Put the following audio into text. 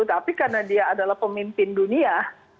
tapi karena dia adalah pemimpin dunia